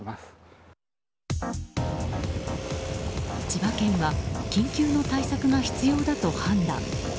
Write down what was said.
千葉県は緊急の対策が必要だと判断。